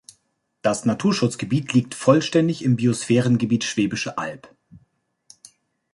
Das Naturschutzgebiet liegt vollständig im Biosphärengebiet Schwäbische Alb.